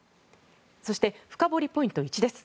そして深掘りポイント１。